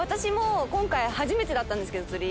今回初めてだったんです釣り。